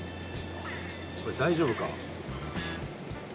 これ大丈夫か？